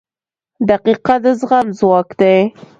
• دقیقه د زغم ځواک دی.